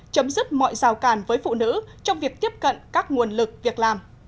chấm dứt mọi rào cản với phụ nữ trong việc tiếp cận các nguồn lực việc làm